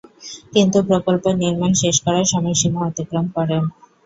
কিন্তু প্রকল্পের নির্মাণ শেষ করার সময়সীমা অতিক্রম করে।